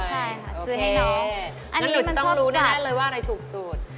ใช่ค่ะซื้อให้น้องอันนี้มันชอบจัดนั้นหนูจะต้องรู้แน่เลยว่าอะไรถูกสูตร